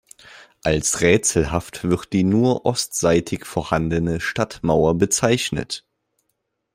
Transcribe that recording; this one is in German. Als rätselhaft wird die nur ostseitig vorhandene Stadtmauer bezeichnet.